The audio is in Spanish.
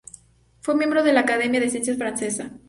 Fue miembro de la Academia de Ciencias Francesa.